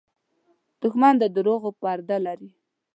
دښمن د دروغو پرده لري